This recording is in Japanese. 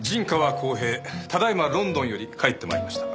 公平ただ今ロンドンより帰って参りました。